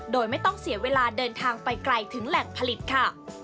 โดยไม่ต้องเสียเวลาเดินทางไปไกลถึงแหล่งผลิตค่ะ